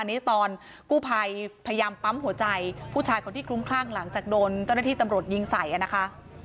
อันนี้ตอนกู้ภัยพยายามปั๊มหัวใจผู้ชายคนที่คลุ้มคลั่งหลังจากโดนเจ้าหน้าที่ตำรวจยิงใส่นะคะ